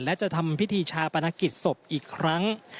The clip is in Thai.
และจะทำพิธีชาปนกิจศพอีกครั้ง